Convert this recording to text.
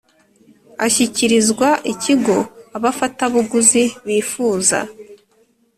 Ashyikirizwa ikigo abafatabuguzi bifuza